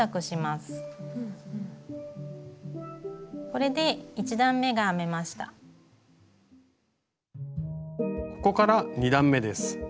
ここから２段めです。